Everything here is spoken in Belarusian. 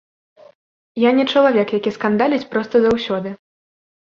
Я не чалавек, які скандаліць проста заўсёды.